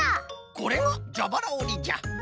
これがじゃばらおりじゃ。